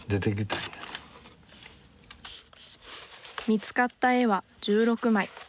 見つかった絵は１６枚。